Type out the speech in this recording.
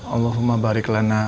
allahumma barik lana